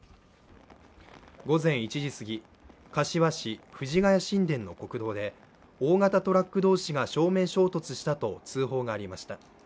午前１時すぎ、柏市藤ケ谷新田の国道で大型トラック同士が正面衝突したと通報がありました。